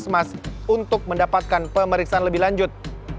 puskesmas untuk mendapatkan pemeriksaan lebih lanjut